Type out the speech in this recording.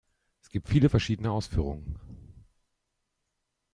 Es gibt viele verschiedene Ausführungen.